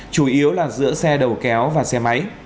chủ yếu là giữa xe đầu kéo và xe máy